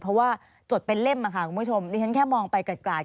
เพราะว่าจดเป็นเล่มค่ะคุณผู้ชมดิฉันแค่มองไปกราด